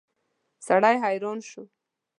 سړی حیران شو.